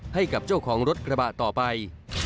ให้กับเจ้าของรถกระบะต่อไป